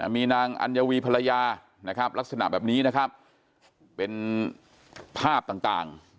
มีนางอัญวีภรรยานะครับลักษณะแบบนี้นะครับเป็นภาพต่าง